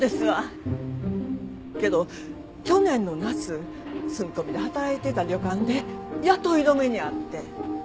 けど去年の夏住み込みで働いてた旅館で雇い止めに遭って。